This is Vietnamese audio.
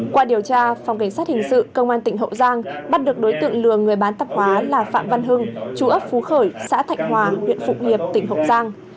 qua điều tra phòng cảnh sát hình sự công an tỉnh hậu giang bắt được đối tượng lừa người bán tạp hóa là phạm văn hưng chú ấp phú khởi xã thạnh hòa huyện phụng hiệp tỉnh hậu giang